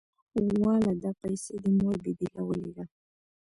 واله دا پيسې دې مور بي بي له ولېږه.